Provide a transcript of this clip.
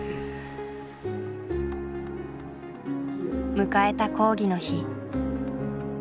迎えた講義の日。